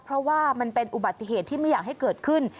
เพราะว่ามันเป็นอุบัติเหตุที่ไม่อยากให้เกิดขึ้น